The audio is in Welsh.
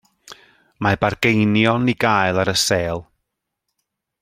Mae bargeinion i gael ar y sêl.